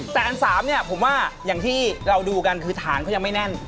แต่อันสามเนี่ยผมว่าอย่างที่เราดูกันคือฐานเขายังไม่แน่น